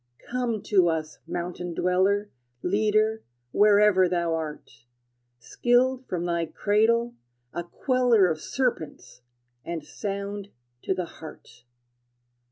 Come to us, mountain dweller, Leader, wherever thou art, Skilled from thy cradle, a queller Of serpents, and sound to the heart!